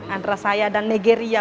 antara saya dan nigeria